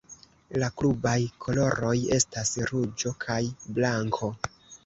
La klubaj koloroj estas ruĝo kaj blanko.